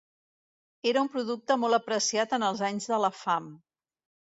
Era un producte molt apreciat en els anys de la fam.